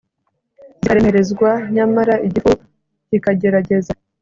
zikaremerezwa nyamara igifu kikagerageza